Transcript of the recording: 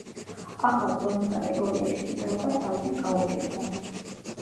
ახალ წონით კატეგორიაში ჭიდაობა თავიდან გაუჭირდა.